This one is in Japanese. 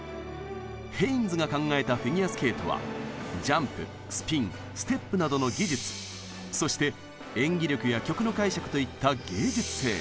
ヘインズが考えたフィギュアスケートはジャンプスピンステップなどの「技術」そして演技力や曲の解釈といった「芸術性」